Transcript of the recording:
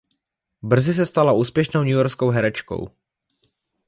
Brzy se stala úspěšnou newyorskou herečkou.